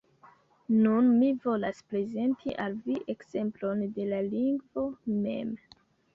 Nun mi volas prezenti al vi ekzemplon de la lingvo mem